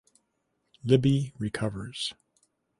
Libby recovers.